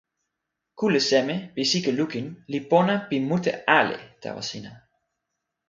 kule seme pi sike lukin li pona pi mute ale tawa sina?